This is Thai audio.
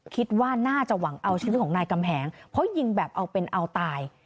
คิดว่าน่าจะหวังเอาชีวิตของนายกำแหงเพราะยิงแบบเอาเป็นเอาตาย